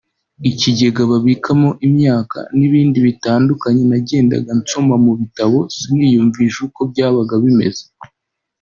ikigega babikamo imyaka n’ibindi bitandukanye nagendaga nsoma mu bitabo siniyumvishe uko byabaga bimeze